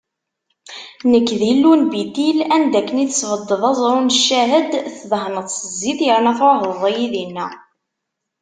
Nekk, d Illu n Bitil, anda akken i tesbeddeḍ aẓru d ccahed, tdehneḍ-t s zzit, yerna tɛuhdeḍ-iyi dinna.